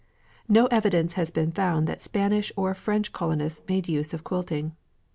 No evidence has been found that Spanish or French colonists made use of quilting.